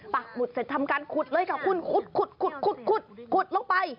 ปักหมุดเสร็จทำการขุดเลยขุดกันไว้เลยกับคุณขุดลงไป